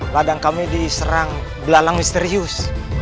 ladang kami diserang belalang misterius